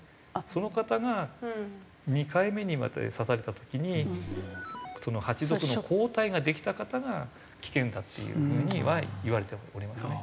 その方が２回目にまた刺された時に蜂毒の抗体ができた方が危険だっていう風にはいわれておりますね。